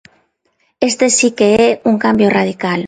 Este si que é un cambio radical.